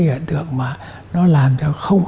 hiện tượng mà nó làm cho không